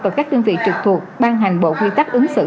và các đơn vị trực thuộc ban hành bộ quy tắc ứng xử